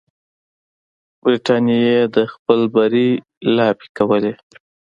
برټانیې د خپل بری لاپې کولې.